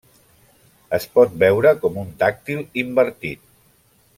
Es pot veure com un dàctil invertit.